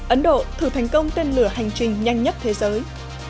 ấn độ thử thành công tên lửa hành trình nhanh nhất thế giới